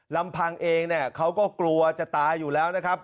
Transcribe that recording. ลำพังเองเนี่ยเขาก็กลัวจะตายอยู่แล้วนะครับ